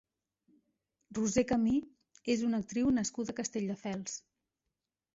Roser Camí és una actriu nascuda a Castelldefels.